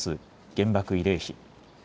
原爆慰霊碑。